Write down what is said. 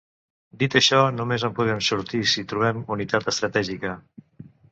Dit això, només ens en podem sortir si trobem unitat estratègica.